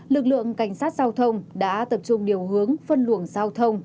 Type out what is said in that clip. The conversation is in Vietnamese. lực lượng cảnh sát giao thông đã tập trung điều hướng phân luồng giao thông